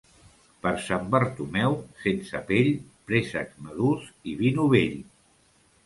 Per Sant Bartomeu, sense pell, préssecs madurs i vi novell.